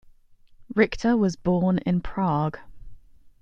Richta was born in Prague.